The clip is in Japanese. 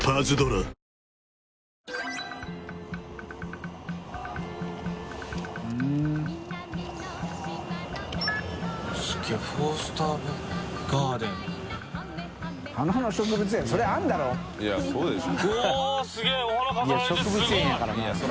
いや植物園やからな。